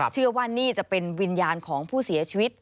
เชื่อว่านี่จะเป็นวิญญาณของผู้เสียชีวิต